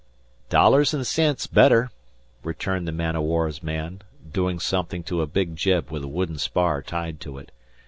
"Dollars an' cents better," returned the man o' war's man, doing something to a big jib with a wooden spar tied to it.